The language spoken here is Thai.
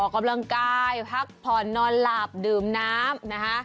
กำลังกายพักผ่อนนอนหลับดื่มน้ำนะคะ